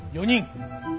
４人。